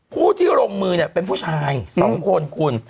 ผู้ที่ลงมือเนี่ยเป็นผู้ชาย๒คนคุณ